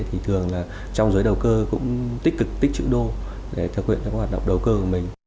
thì thường là trong giới đầu cơ cũng tích cực tích chữ đô để thực hiện các hoạt động đầu cơ của mình